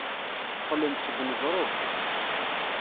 Qqlen-d seg uneẓruf.